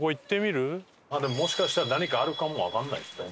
でももしかしたら何かあるかもわかんない。